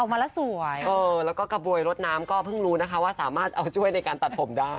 ออกมาแล้วสวยเออแล้วก็กระบวยรถน้ำก็เพิ่งรู้นะคะว่าสามารถเอาช่วยในการตัดผมได้